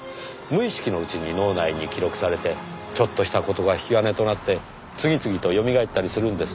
無意識のうちに脳内に記録されてちょっとした事が引き金となって次々とよみがえったりするんです。